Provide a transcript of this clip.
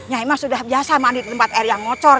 saya sudah biasa mandi di tempat air yang ngocor